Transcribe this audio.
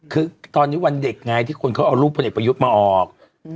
คือตอนนี้วันเด็กไงที่คนเขาเอารูปพลเอกประยุทธ์มาออก